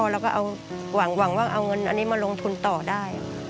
แล้วก็เอาหวังว่าเอาเงินอันนี้มาลงทุนต่อได้